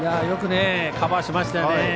よくカバーしましたね。